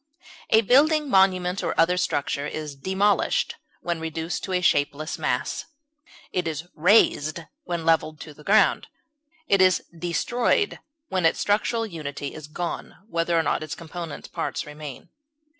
A building, monument, or other structure is demolished when reduced to a shapeless mass; it is razed when leveled with the ground; it is destroyed when its structural unity is gone, whether or not its component parts remain.